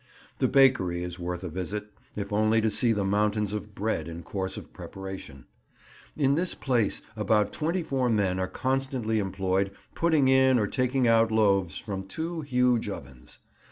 The bakery is worth a visit, if only to see the mountains of bread in course of preparation. In this place about twenty four men are constantly employed putting in or taking out loaves from two huge ovens.